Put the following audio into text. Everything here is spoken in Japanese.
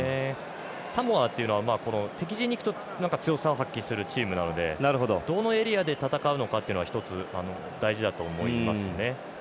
サモアっていうのは敵陣に行くと強さを発揮するチームなのでどのエリアで戦うのかというのが一つ、大事なのかなと思いますね。